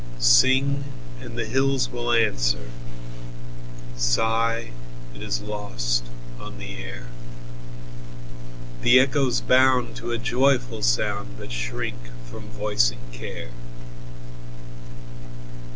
Sing, and the hills will answer; Sigh, it is lost on the air. The echoes bound to a joyful sound, But shrink from voicing care.